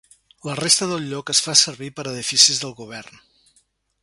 La resta del lloc es fa servir per a edificis del govern.